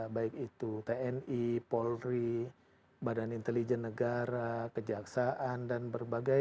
baik itu tni polri badan intelijen negara kejaksaan dan berbagai